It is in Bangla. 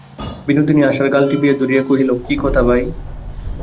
বিনোদিনী আশার গাল টিপিয়া ধরিয়া কহিল, কী কথা, ভাই।